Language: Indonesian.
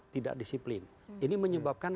tidak disiplin ini menyebabkan